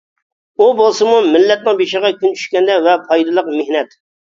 ئۇ بولسىمۇ، «مىللەتنىڭ بېشىغا كۈن چۈشكەندە» ۋە «پايدىلىق مېھنەت» .